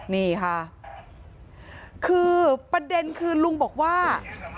นี่ค่ะคือประเด็นคือลุงบอกว่า